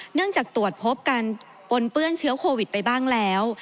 จากตรวจพบการปนเปื้อนเชื้อโควิดไปบ้างแล้ว